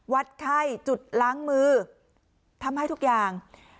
วัดไข้จุดล้างมือทำให้ทุกอย่าง